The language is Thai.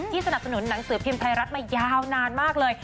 สนับสนุนหนังสือพิมพ์ไทยรัฐมายาวนานมากเลย